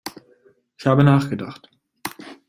Ich habe nachgedacht.